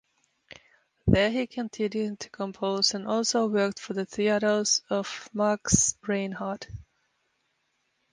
There he continued to compose and also worked for the theatres of Max Reinhardt.